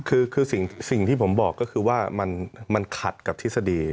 คือสิ่งที่ผมบอกก็คือว่ามันขัดกับทฤษฎี